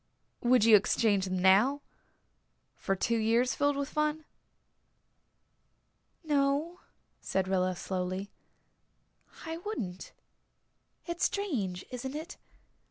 "Would you exchange them now for two years filled with fun?" "No," said Rilla slowly. "I wouldn't. It's strange isn't it?